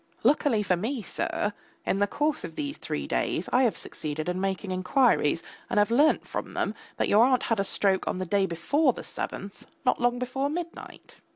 Luckily for me, sir, in the course of these three days I have succeeded in making inquiries and have learnt from them that your aunt had a stroke on the day before the seventh not long before midnight.